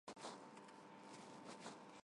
Ֆիլմը ներկայացված է եղել մի շարք կինոմրցանակների։